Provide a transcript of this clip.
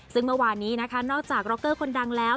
ซึ่งเมื่อวานนี้นะคะนอกจากร็อกเกอร์คนดังแล้ว